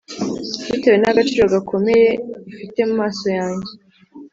bitewe n’agaciro gakomeye ufite mu maso yanjye;